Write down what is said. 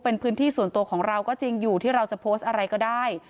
เป็นพื้นที่ส่วนตัวของเราก็จริงอยู่ที่เราจะโพสต์อะไรก็ได้